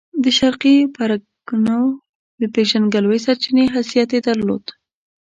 د شرقي پرګنو د پېژندګلوۍ سرچینې حیثیت یې درلود.